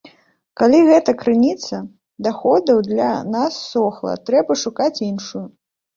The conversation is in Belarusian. Калі гэтая крыніца даходаў для нас ссохла, трэба шукаць іншую.